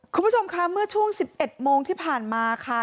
คุณผู้ชมค่ะเมื่อช่วง๑๑โมงที่ผ่านมาค่ะ